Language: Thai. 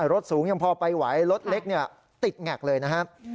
รถสูงยังพอไปไหวรถเล็กติดแงกเลยนะครับ